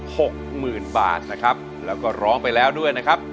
หกหมื่นบาทนะครับแล้วก็ร้องไปแล้วด้วยนะครับ